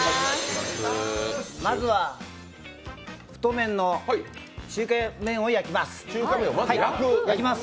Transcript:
まずは太麺の中華麺を焼きます。